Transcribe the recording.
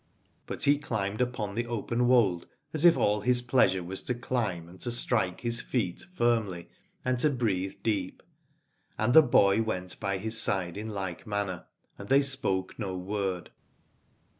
But he climbed upon the open wold as if all his pleasure was to climb and to strike his feet firmly and to breathe deep : and the boy went by his side in like manner, and they spoke no word.